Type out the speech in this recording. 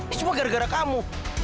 ini cuma gara gara kamu